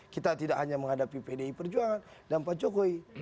kita tidak hanya menghadapi pdi perjuangan dan pak jokowi